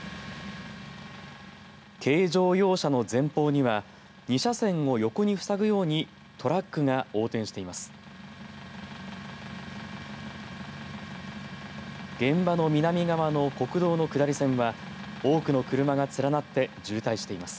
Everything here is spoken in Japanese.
軽乗用車の前方には２車線を横にふさぐようにトラックが横転しています。